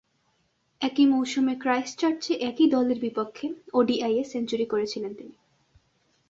একই মৌসুমে ক্রাইস্টচার্চে একই দলের বিপক্ষে ওডিআইয়ে সেঞ্চুরি করেছিলেন তিনি।